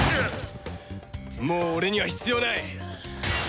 もう俺には必要ない！